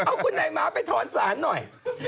เอาคุณใหม่พาไปถอนศาลหน่อย